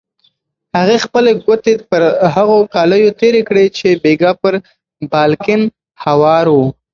هغې خپلې ګوتې پر هغو کالیو تېرې کړې چې بېګا پر بالکن هوار وو.